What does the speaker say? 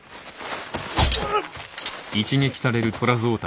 うっ！